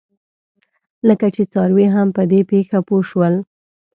لکه چې څاروي هم په دې پېښه پوه شول.